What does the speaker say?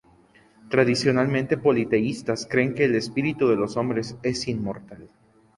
Tradicionalmente politeístas, creen que el espíritu de los hombres es inmortal.